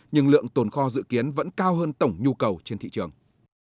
nhưng lượng tồn kho dự kiến vẫn cao hơn tổng nhu cầu trên thị trường